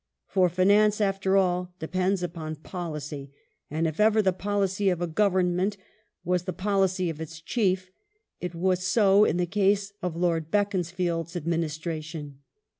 For finance after all depends upon policy, and if ever the policy of a Government was the policy of its Chief, it was so in the case of Lord Beaconsfield's Administration.